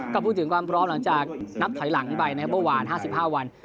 จะพูดถึงความพร้อมหลังจากนับถอยหลังใบเบื่อว่าน๕๕วัน